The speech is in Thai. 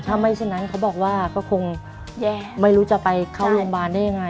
ถ้าไม่เช่นนั้นเขาบอกว่าก็คงไม่รู้จะไปเข้าโรงพยาบาลได้ยังไง